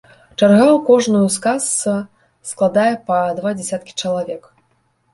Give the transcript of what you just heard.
Чарга ў кожную з кас складае па два дзясяткі чалавек.